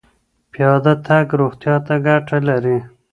پیاده تګ روغتیا ته ګټه لري.